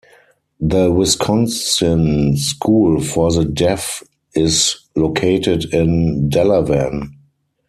The Wisconsin School for the Deaf is located in Delavan.